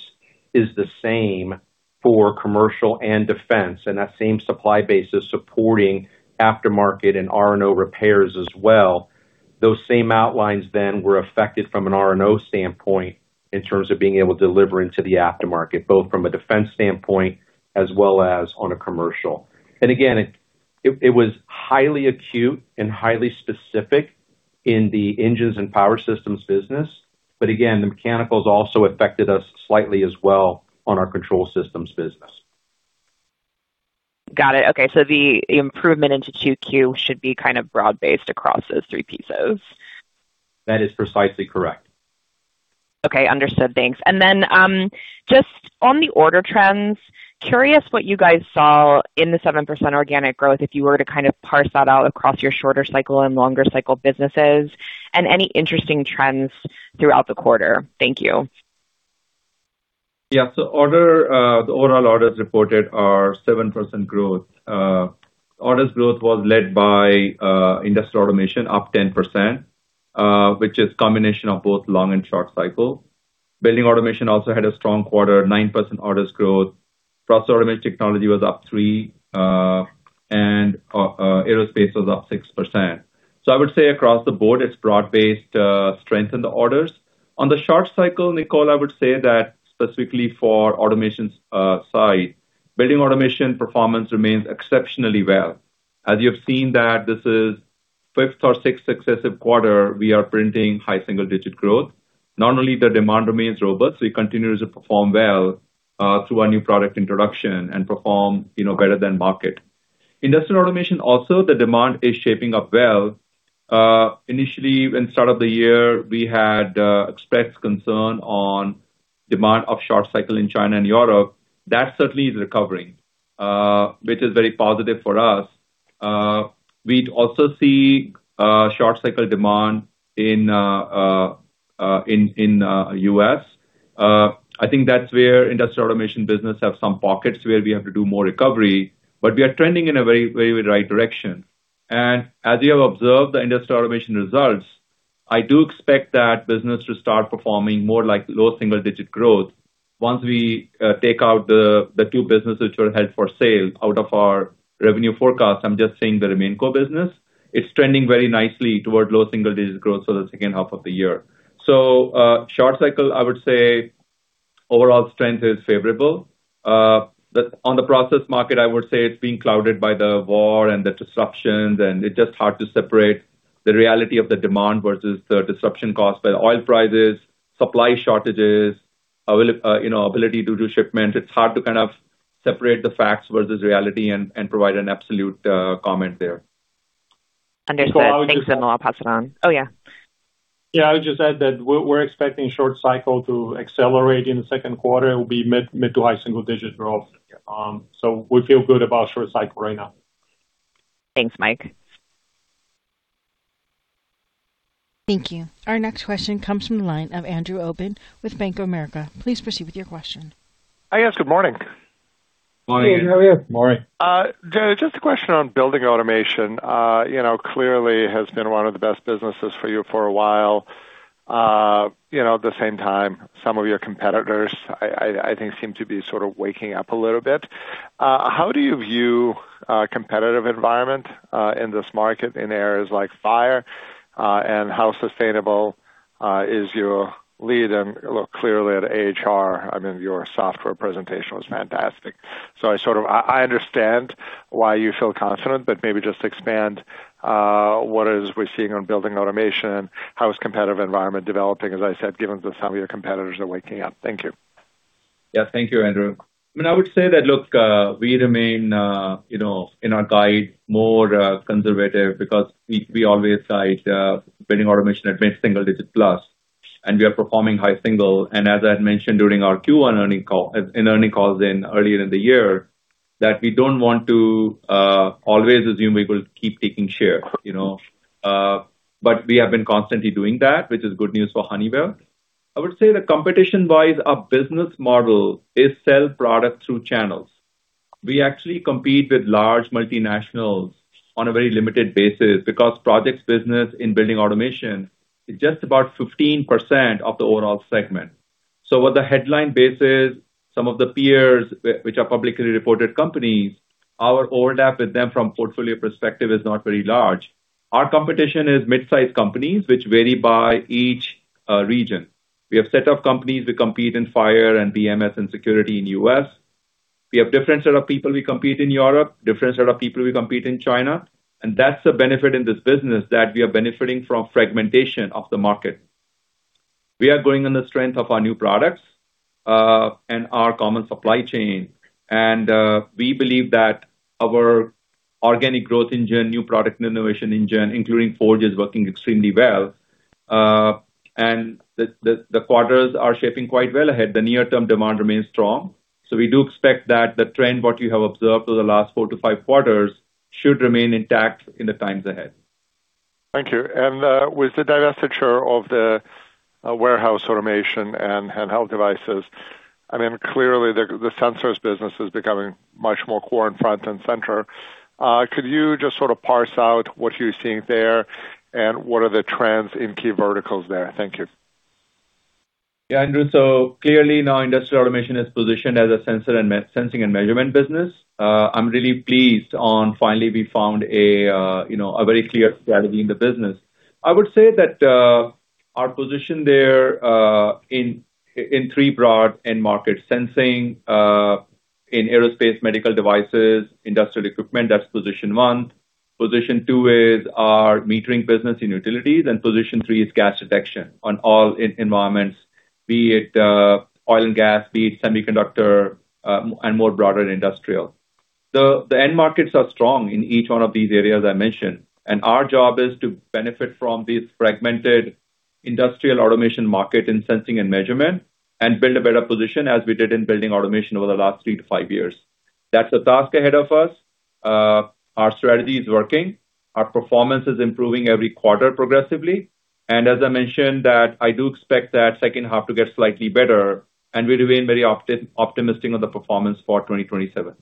is the same for commercial and defense, and that same supply base is supporting aftermarket and R&O repairs as well. Those same outlines then were affected from an R&O standpoint in terms of being able to deliver into the aftermarket, both from a defense standpoint as well as on a commercial. Again, it was highly acute and highly specific in the engines and power systems business. Again, the mechanicals also affected us slightly as well on our control systems business. Got it. Okay. The improvement into Q2 should be kind of broad-based across those three pieces. That is precisely correct. Okay, understood. Thanks. Just on the order trends, curious what you guys saw in the 7% organic growth, if you were to kind of parse that out across your shorter cycle and longer cycle businesses, and any interesting trends throughout the quarter. Thank you. Yeah. The overall orders reported are 7% growth. Orders growth was led by Industrial Automation, up 10%, which is combination of both long and short cycle. Building Automation also had a strong quarter, 9% orders growth. Process Automation Technology was up 3%, and Aerospace was up 6%. I would say across the board, it's broad-based strength in the orders. On the short cycle, Nicole, I would say that specifically for automation side, Building Automation performance remains exceptionally well. As you have seen that this is fifth or sixth successive quarter, we are printing high single digit growth. Not only the demand remains robust, we continue to perform well through our new product introduction and perform better than market. Industrial Automation also, the demand is shaping up well. Initially, at the start of the year, we had expressed concern on demand of short cycle in China and Europe. That certainly is recovering, which is very positive for us. We also see short-cycle demand in U.S. I think that's where Industrial Automation business have some pockets where we have to do more recovery, but we are trending in a very right direction. As you have observed the Industrial Automation results, I do expect that business to start performing more like low single-digit growth once we take out the two businesses which were held for sale out of our revenue forecast. I'm just saying, the RemainCo business. It's trending very nicely toward low single-digit growth for the H2 of the year. Short cycle, I would say overall strength is favorable. On the process market, I would say it's being clouded by the war and the disruptions, and it's just hard to separate the reality of the demand versus the disruption caused by the oil prices, supply shortages, ability to do shipment. It's hard to kind of separate the facts versus reality and provide an absolute comment there. Understood. Thanks, Vimal. I'll pass it on. Oh, yeah. Yeah. I would just add that we're expecting short cycle to accelerate in Q2. It will be mid to high single digit growth. We feel good about short cycle right now. Thanks, Mike. Thank you. Our next question comes from the line of Andrew Obin with Bank of America. Please proceed with your question. Yes, good morning. Morning. Hey, how are you? Morning. There's just a question on building automation. Clearly has been one of the best businesses for you for a while. At the same time, some of your competitors, I think, seem to be sort of waking up a little bit. How do you view competitive environment in this market in areas like fire, and how sustainable is your lead? And look clearly at AHR. I mean, your software presentation was fantastic. So I understand why you feel confident, but maybe just expand. What we're seeing on building automation, how is competitive environment developing, as I said, given that some of your competitors are waking up. Thank you. Yeah, thank you, Andrew. I would say that, look, we remain in our guide more conservative because we always guide building automation at mid-single digit plus, and we are performing high single. As I had mentioned during our Q1 earnings calls earlier in the year, that we don't want to always assume we will keep taking share. We have been constantly doing that, which is good news for Honeywell. I would say that competition-wise, our business model is sell product through channels. We actually compete with large multinationals on a very limited basis because projects business in building automation is just about 15% of the overall segment. What the headlines say about some of the peers which are publicly reported companies, our overlap with them from portfolio perspective is not very large. Our competition is mid-size companies, which vary by each region. We have set of companies we compete in fire and BMS and security in U.S. We have different set of people we compete in Europe, different set of people we compete in China, and that's the benefit in this business that we are benefiting from fragmentation of the market. We are growing on the strength of our new products, and our common supply chain. We believe that our organic growth engine, new product and innovation engine, including Forge, is working extremely well. The quarters are shaping quite well ahead. The near term demand remains strong. We do expect that the trend, what you have observed over the last four to five quarters, should remain intact in the times ahead. Thank you. With the divestiture of the warehouse automation and handheld devices, I mean, clearly the sensors business is becoming much more core and front and center. Could you just sort of parse out what you're seeing there, and what are the trends in key verticals there? Thank you. Yeah, Andrew. Clearly now industrial automation is positioned as a sensing and measurement business. I'm really pleased on finally we found a very clear strategy in the business. I would say that, our position there in three broad end markets, sensing, in aerospace, medical devices, industrial equipment, that's position one. Position two is our metering business in utilities, and position three is gas detection on all environments, be it oil and gas, be it semiconductor, and more broader industrial. The end markets are strong in each one of these areas I mentioned. Our job is to benefit from these fragmented industrial automation market in sensing and measurement and build a better position as we did in building automation over the last three to five years. That's a task ahead of us. Our strategy is working. Our performance is improving every quarter progressively. As I mentioned that I do expect that H2 to get slightly better, and we remain very optimistic on the performance for 2027.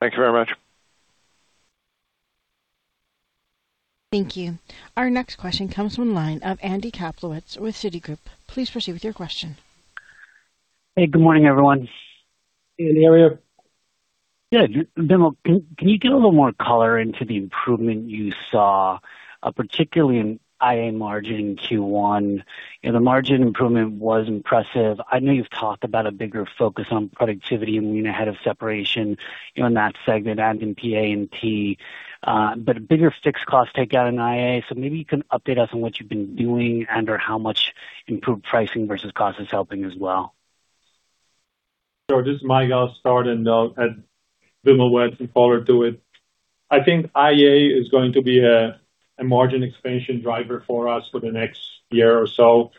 Thanks very much. Thank you. Our next question comes from the line of Andy Kaplowitz with Citigroup. Please proceed with your question. Hey, good morning, everyone. How are you? Good. Vimal, can you give a little more color into the improvement you saw, particularly in IA margin in Q1? The margin improvement was impressive. I know you've talked about a bigger focus on productivity and lean ahead of separation in that segment and in PA&T, but a bigger fixed cost takeout in IA. Maybe you can update us on what you've been doing and/or how much improved pricing versus cost is helping as well. Sure. This is Mike. I'll start and have Vimal add some color to it. I think IA is going to be a margin expansion driver for us for the next year or so.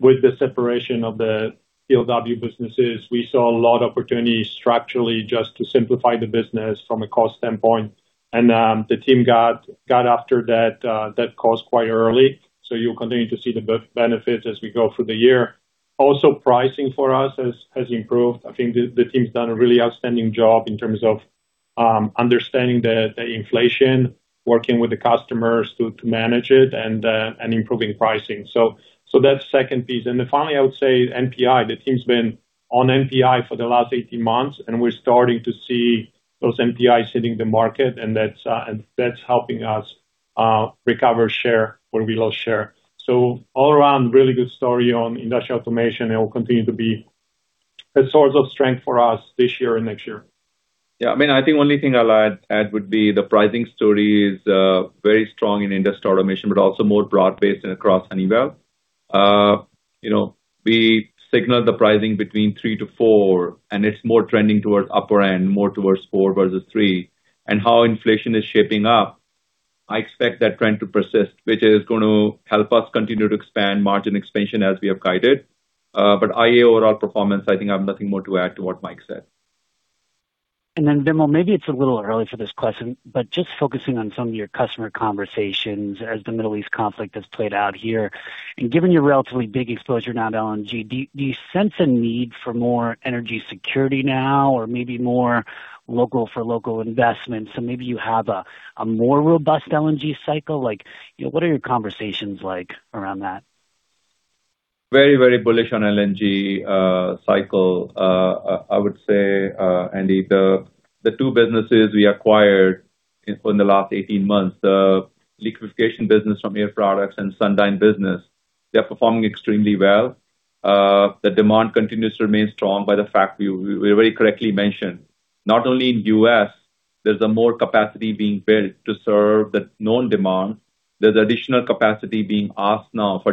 With the separation of the POW businesses, we saw a lot of opportunities structurally just to simplify the business from a cost standpoint. The team got after that cost quite early. You'll continue to see the benefits as we go through the year. Also, pricing for us has improved. I think the team's done a really outstanding job in terms of understanding the inflation, working with the customers to manage it and improving pricing. That's second piece. Finally, I would say NPI. The team's been on NPI for the last 18 months, and we're starting to see those NPIs hitting the market and that's helping us recover share where we lost share. All around, really good story on industrial automation and will continue to be a source of strength for us this year and next year. Yeah. I think only thing I'll add would be the pricing story is very strong in industrial automation, but also more broad-based and across Honeywell. We signal the pricing between 3%-4%, and it's more trending towards upper end, more towards 4% versus 3%. How inflation is shaping up, I expect that trend to persist, which is going to help us continue to expand margin expansion as we have guided. i.e. overall performance, I think I have nothing more to add to what Mike said. Then Vimal, maybe it's a little early for this question, but just focusing on some of your customer conversations as the Middle East conflict has played out here, and given your relatively big exposure now to LNG, do you sense a need for more energy security now or maybe more local for local investments? Maybe you have a more robust LNG cycle? What are your conversations like around that? Very bullish on LNG cycle. I would say, Andy, the two businesses we acquired in the last 18 months, the liquefaction business from Air Products and Sundyne business, they're performing extremely well. The demand continues to remain strong, as we very correctly mentioned, not only in U.S., there's more capacity being built to serve the known demand. There's additional capacity being asked now for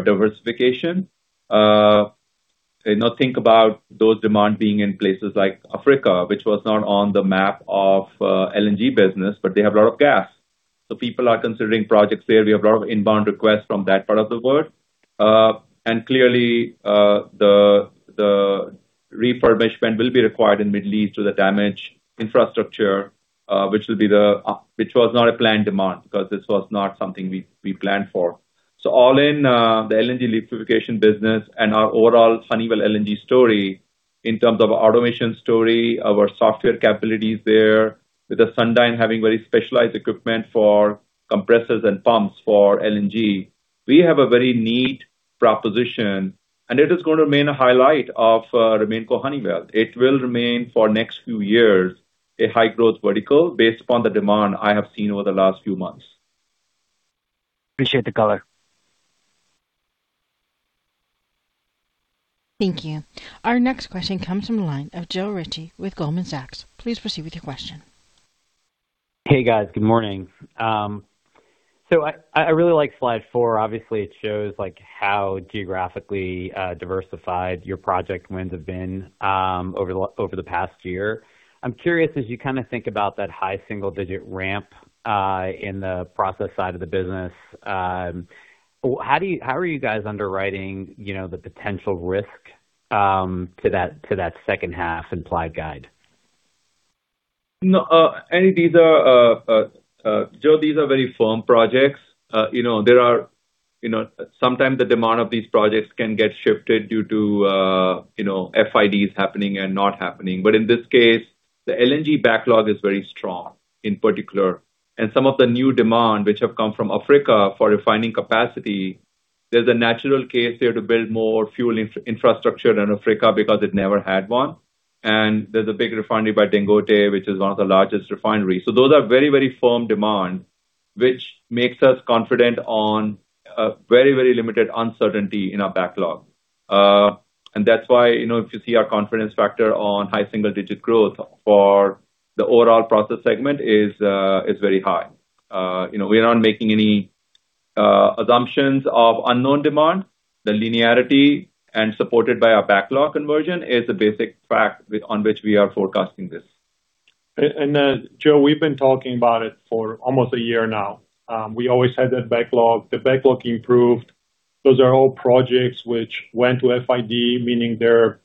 diversification. Now think about that demand being in places like Africa, which was not on the map of LNG business, but they have a lot of gas. So people are considering projects there. We have a lot of inbound requests from that part of the world. Clearly, the refurbishment will be required in the Middle East to the damaged infrastructure, which was not a planned demand because this was not something we planned for. All in, the LNG liquefaction business and our overall Honeywell LNG story in terms of automation story, our software capabilities there with the Sundyne having very specialized equipment for compressors and pumps for LNG. We have a very neat proposition, and it is going to remain a highlight of RemainCo Honeywell. It will remain for next few years, a high growth vertical based upon the demand I have seen over the last few months. Appreciate the color. Thank you. Our next question comes from the line of Joe Ritchie with Goldman Sachs. Please proceed with your question. Hey, guys. Good morning. I really like slide four. Obviously, it shows how geographically diversified your project wins have been over the past year. I'm curious, as you think about that high single digit ramp, in the process side of the business, how are you guys underwriting the potential risk to that H2 implied guide? Joe, these are very firm projects. Sometimes the demand of these projects can get shifted due to FIDs happening and not happening. In this case, the LNG backlog is very strong in particular, and some of the new demand which have come from Africa for refining capacity, there's a natural case there to build more fuel infrastructure in Africa because it never had one. There's a big refinery by Dangote, which is one of the largest refineries. Those are very firm demand, which makes us confident on very limited uncertainty in our backlog. That's why if you see our confidence factor on high single digit growth for the overall process segment is very high. We are not making any assumptions of unknown demand. The linearity and supported by our backlog conversion is the basic fact on which we are forecasting this. Joe, we've been talking about it for almost a year now. We always had that backlog. The backlog improved. Those are all projects which went to FID, meaning they're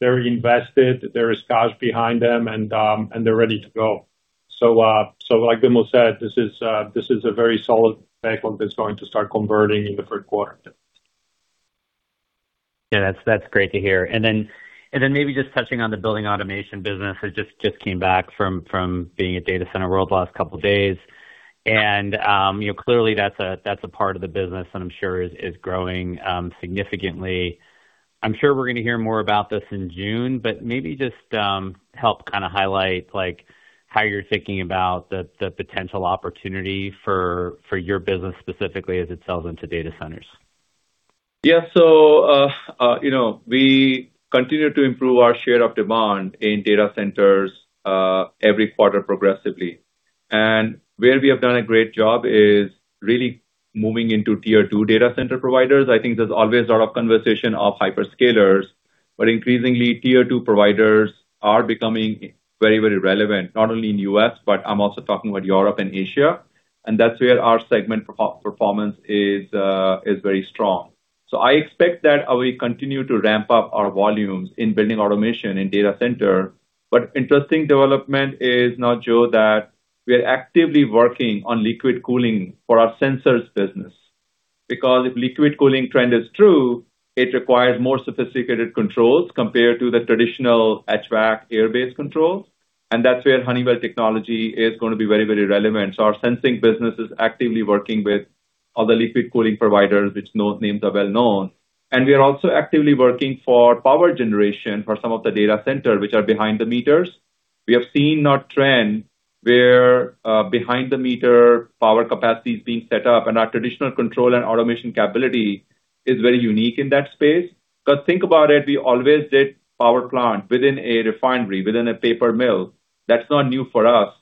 invested, there is cash behind them, and they're ready to go. Like Vimal said, this is a very solid backlog that's going to start converting in Q3. Yeah, that's great to hear. Maybe just touching on the building automation business. I just came back from being at Data Center World the last couple of days. Clearly, that's a part of the business that I'm sure is growing significantly. I'm sure we're going to hear more about this in June, but maybe just help kind of highlight how you're thinking about the potential opportunity for your business specifically as it sells into data centers. Yeah. We continue to improve our share of demand in data centers every quarter progressively. Where we have done a great job is really moving into tier two data center providers. I think there's always a lot of conversation of hyperscalers, but increasingly, tier two providers are becoming very relevant, not only in U.S., but I'm also talking about Europe and Asia, and that's where our segment performance is very strong. I expect that we continue to ramp up our volumes in building automation in data center. Interesting development is now, Joe, that we are actively working on liquid cooling for our sensors business, because if liquid cooling trend is true, it requires more sophisticated controls compared to the traditional HVAC air-based controls. That's where Honeywell technology is going to be very relevant. Our sensing business is actively working with other liquid cooling providers, which those names are well known. We are also actively working for power generation for some of the data centers which are behind the meters. We have seen our trend where behind the meter power capacity is being set up, and our traditional control and automation capability is very unique in that space. Because think about it, we always did power plant within a refinery, within a paper mill. That's not new for us.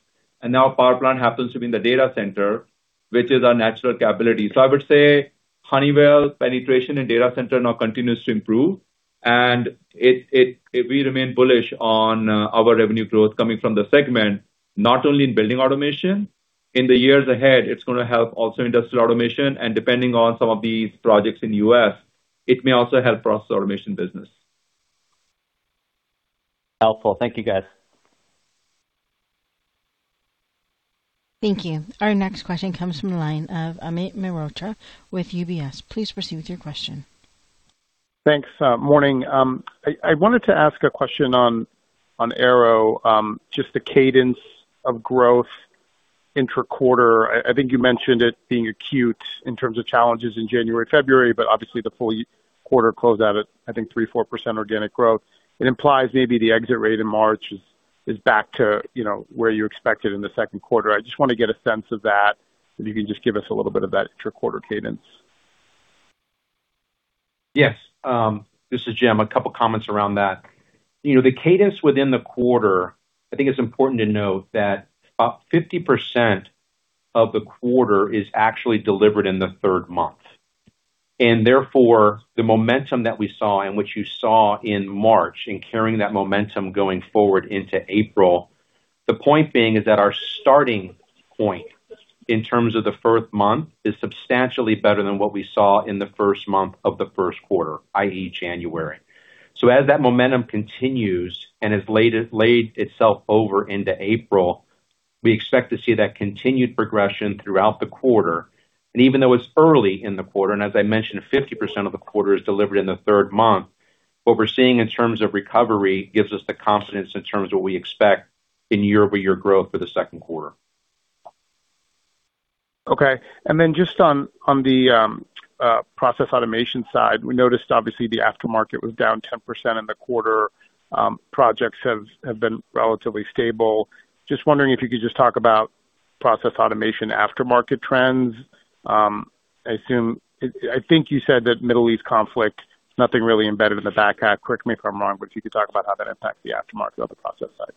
Now power plant happens to be in the data center, which is our natural capability. I would say Honeywell penetration in data center now continues to improve, and we remain bullish on our revenue growth coming from the segment, not only in building automation. In the years ahead, it's going to help also industrial automation, and depending on some of these projects in the U.S., it may also help process automation business. Helpful. Thank you, guys. Thank you. Our next question comes from the line of Amit Mehrotra with UBS. Please proceed with your question. Thanks. Morning. I wanted to ask a question on Aero, just the cadence of growth intra-quarter. I think you mentioned it being acute in terms of challenges in January, February, but obviously the full quarter closed out at, I think, 3%-4% organic growth. It implies maybe the exit rate in March is back to where you expected in Q2. I just want to get a sense of that, if you can just give us a little bit of that intra-quarter cadence. Yes. This is Jim. A couple comments around that. The cadence within the quarter, I think it's important to note that about 50% of the quarter is actually delivered in the third month. Therefore, the momentum that we saw, and which you saw in March, and carrying that momentum going forward into April. The point being is that our starting point in terms of the first month is substantially better than what we saw in the first month of Q1, i.e., January. As that momentum continues and has laid itself over into April, we expect to see that continued progression throughout the quarter. Even though it's early in the quarter, and as I mentioned, 50% of the quarter is delivered in the third month, what we're seeing in terms of recovery gives us the confidence in terms of what we expect in year-over-year growth for Q2. Okay. Just on the process automation side, we noticed obviously the aftermarket was down 10% in the quarter. Projects have been relatively stable. Just wondering if you could just talk about process automation aftermarket trends. I think you said that Middle East conflict, nothing really embedded in the back half. Correct me if I'm wrong, but you could talk about how that impacts the aftermarket on the process side.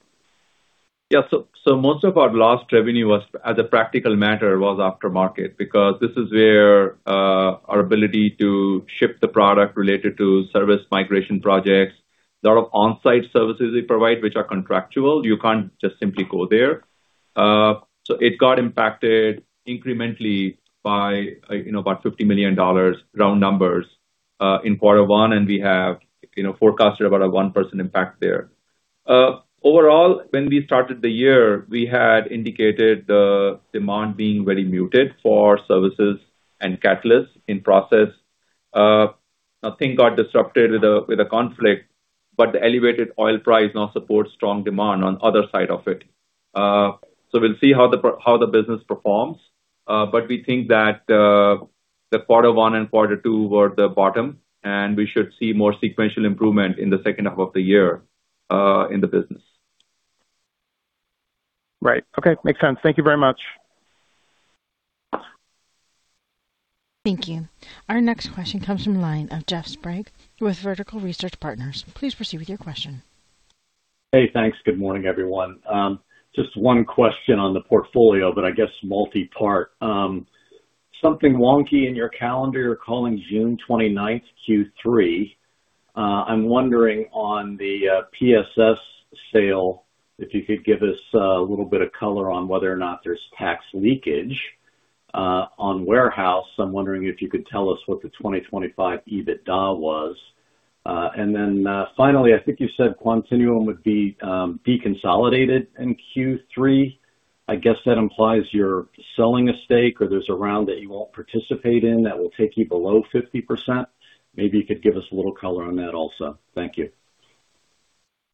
Yeah. Most of our lost revenue was, as a practical matter, aftermarket because this is where our ability to ship the product related to service migration projects, lot of on-site services we provide, which are contractual. You can't just simply go there. It got impacted incrementally by about $50 million, round numbers, in quarter one, and we have forecasted about a 1% impact there. Overall, when we started the year, we had indicated the demand being very muted for services and catalysts in process. Nothing got disrupted with the conflict, but the elevated oil price now supports strong demand on other side of it. We'll see how the business performs. We think that the Q1 and Q2 were the bottom, and we should see more sequential improvement in the H2 of the year, in the business. Right. Okay. Makes sense. Thank you very much. Thank you. Our next question comes from the line of Jeff Sprague with Vertical Research Partners. Please proceed with your question. Hey, thanks. Good morning, everyone. Just one question on the portfolio, but I guess multi-part. Something wonky in your calendar, you're calling June 29th Q3. I'm wondering on the PSS sale, if you could give us a little bit of color on whether or not there's tax leakage. On warehouse, I'm wondering if you could tell us what the 2025 EBITDA was. Finally, I think you said Quantinuum would be deconsolidated in Q3. I guess that implies you're selling a stake or there's a round that you won't participate in that will take you below 50%. Maybe you could give us a little color on that also. Thank you.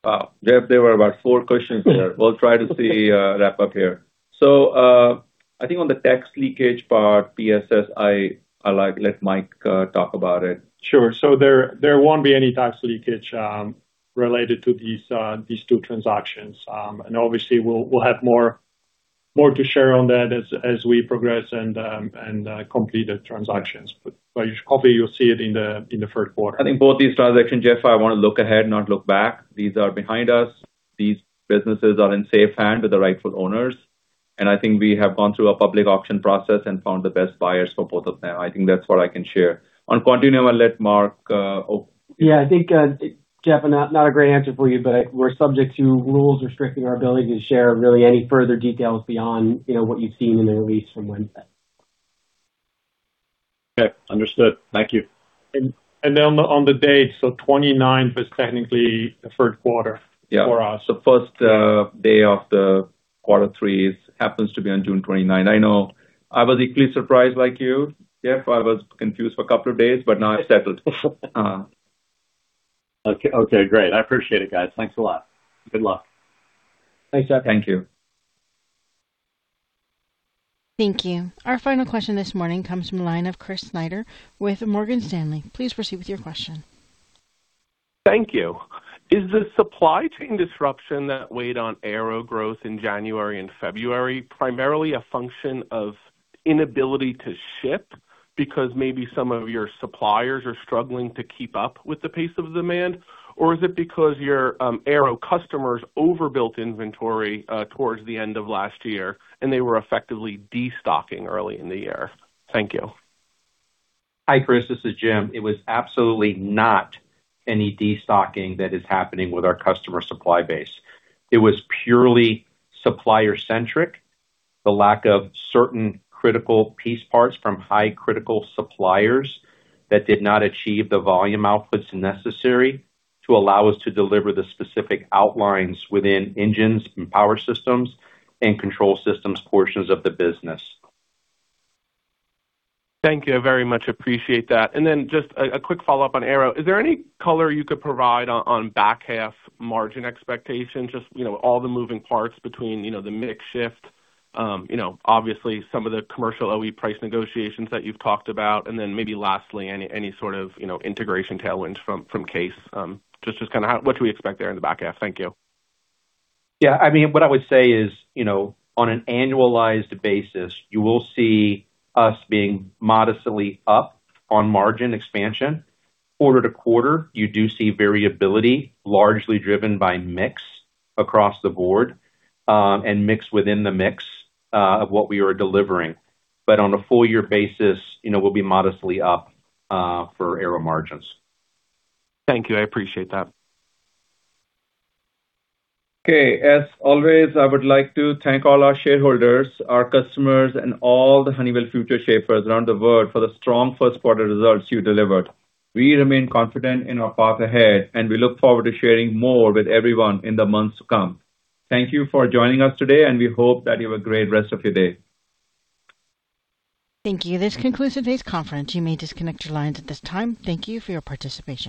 Wow, Jeff, there were about four questions there. We'll try to wrap up here. I think on the tax leakage part, PSS, I'll let Mike talk about it. Sure. There won't be any tax leakage related to these two transactions. Obviously we'll have more to share on that as we progress and complete the transactions. Hopefully you'll see it in Q1. I think both these transactions, Jeff, I want to look ahead, not look back. These are behind us. These businesses are in safe hands with the rightful owners, and I think we have gone through a public auction process and found the best buyers for both of them. I think that's what I can share. On Quantinuum, I'll let Mark. Yeah, I think, Jeff, not a great answer for you, but we're subject to rules restricting our ability to share really any further details beyond what you've seen in the release from Wednesday. Okay. Understood. Thank you. On the date, so 29th is technically the Q3 for us. Yeah. First day of Q3 happens to be on June 29th. I know. I was equally surprised like you, Jeff. I was confused for a couple of days, but now it's settled. Okay, great. I appreciate it, guys. Thanks a lot. Good luck. Thanks, Jeff. Thank you. Thank you. Our final question this morning comes from the line of Chris Snyder with Morgan Stanley. Please proceed with your question. Thank you. Is the supply chain disruption that weighed on Aero growth in January and February primarily a function of inability to ship? Because maybe some of your suppliers are struggling to keep up with the pace of demand? Or is it because your aero customers overbuilt inventory towards the end of last year and they were effectively destocking early in the year? Thank you. Hi, Chris, this is Jim. It was absolutely not any destocking that is happening with our customer supply base. It was purely supplier-centric, the lack of certain critical piece parts from highly critical suppliers that did not achieve the volume outputs necessary to allow us to deliver the specific outlines within engines and power systems and control systems portions of the business. Thank you. I very much appreciate that. Just a quick follow-up on aero. Is there any color you could provide on back half margin expectations? Just all the moving parts between the mix shift, obviously some of the commercial OE price negotiations that you've talked about. Maybe lastly, any sort of integration tailwinds from CAES. Just kind of what should we expect there in the back half? Thank you. Yeah, what I would say is, on an annualized basis, you will see us being modestly up on margin expansion. Quarter to quarter, you do see variability largely driven by mix across the board, and mix within the mix of what we are delivering. On a full year basis, we'll be modestly up for aero margins. Thank you. I appreciate that. Okay. As always, I would like to thank all our shareholders, our customers, and all the Honeywell Futureshapers around the world for the strong Q1 results you delivered. We remain confident in our path ahead, and we look forward to sharing more with everyone in the months to come. Thank you for joining us today, and we hope that you have a great rest of your day. Thank you. This concludes today's conference. You may disconnect your lines at this time. Thank you for your participation.